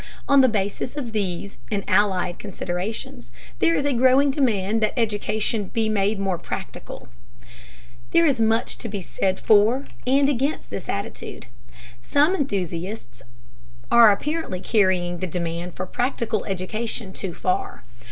On the basis of these and allied considerations, there is a growing demand that education be made more "practical." There is much to be said for and against this attitude. Some enthusiasts are apparently carrying the demand for "practical" education too far.